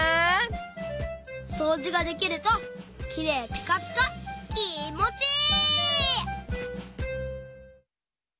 そうじができるときれいピカピカきもちいい！